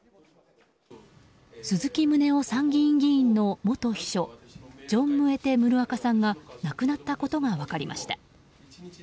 鈴木宗男参議院議員の元秘書ジョン・ムウェテ・ムルアカさんが亡くなったことが分かりました。